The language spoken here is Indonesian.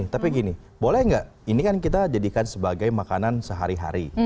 tapi gini boleh nggak ini kan kita jadikan sebagai makanan sehari hari